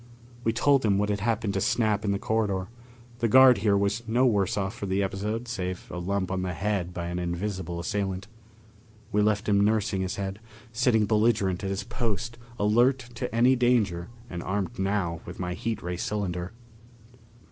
We told him what had happened to Snap in the corridor; the guard here was no worse off for the episode, save a lump on the head by an invisible assailant. We left him nursing his head, sitting belligerent at his post, alert to any danger and armed now with my heat ray cylinder.